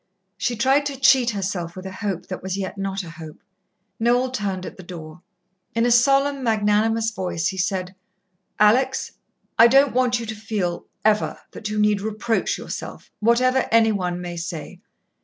She tried to cheat herself with a hope that was yet not a hope. Noel turned at the door. In a solemn, magnanimous voice he said: "Alex! I don't want you to feel ever that you need reproach yourself, whatever any one may say.